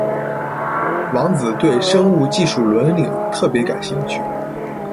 王子对生物技术伦理特别感兴趣。